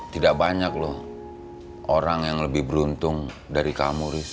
tidak banyak loh orang yang lebih beruntung dari kamu risma